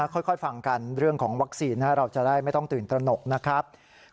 ค่อยฟังกันเรื่องของวัคซีนเราจะได้ไม่ต้องตื่นตระหนกนะครับ